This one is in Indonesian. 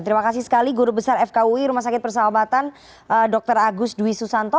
terima kasih sekali guru besar fkui rumah sakit persahabatan dr agus dwi susanto